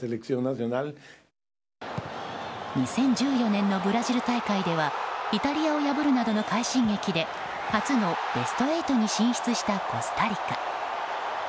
２０１４年のブラジル大会ではイタリアを破るなどの快進撃で、初のベスト８に進出したコスタリカ。